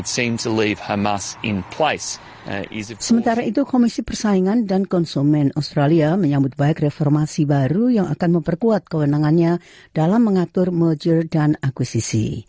sementara itu komisi persaingan dan konsumen australia menyambut baik reformasi baru yang akan memperkuat kewenangannya dalam mengatur mulger dan akuisisi